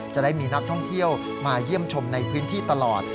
จะได้มีนักท่องเที่ยวมาเยี่ยมชมในพื้นที่ตลอด